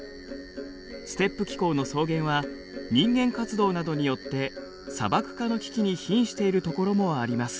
ステップ気候の草原は人間活動などによって砂漠化の危機にひんしているところもあります。